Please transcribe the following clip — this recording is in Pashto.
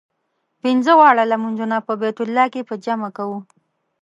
پنځه واړه لمونځونه په بیت الله کې په جمع کوو.